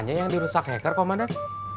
hanya yang dirusak hacker komandan